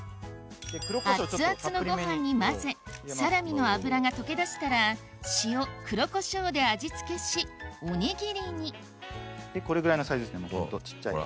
熱々のご飯に混ぜサラミの脂が溶け出したら塩黒胡椒で味付けしおにぎりにこれぐらいのサイズですねちっちゃい。